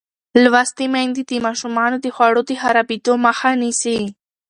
لوستې میندې د ماشومانو د خوړو د خرابېدو مخه نیسي.